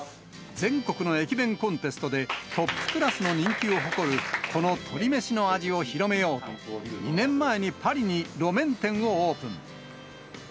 全国の駅弁コンテストで、トップクラスの人気を誇る、この鶏めしの味を広めようと、２年前にパリに路面店をオープン。